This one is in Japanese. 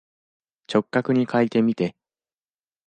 直角にかいてみて。